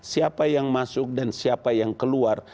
siapa yang masuk dan siapa yang keluar